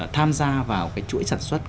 tham gia vào chuỗi sản xuất